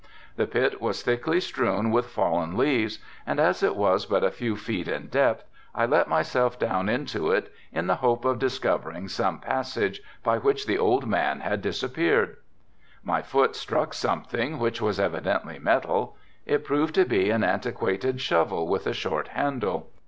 The pit was thickly strewn with fallen leaves, and as it was but a few feet in depth, I let myself down into it in the hope of discovering some passage by which the old man had disappeared. My foot struck something which was evidently metal. It proved to be an antiquated shovel with a short handle.